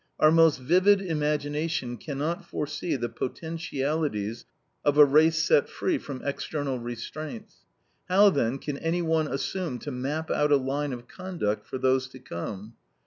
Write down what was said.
Our most vivid imagination can not foresee the potentialities of a race set free from external restraints. How, then, can any one assume to map out a line of conduct for those to come?